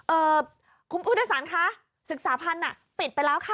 เอ่อคุณผู้โดยสารค่ะศึกษาพันธ์น่ะปิดไปแล้วค่ะ